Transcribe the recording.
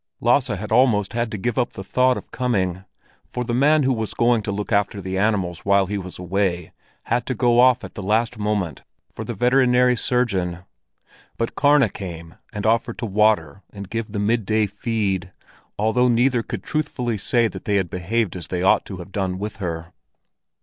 Lasse had almost had to give up thought of coming, for the man who was going to look after the animals while he was away had to go off at the last moment for the veterinary surgeon; but Karna came and offered to water and give the midday feed, although neither could truthfully say that they had behaved as they ought to have done to her.